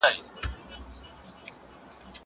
زه کالي نه وچوم!!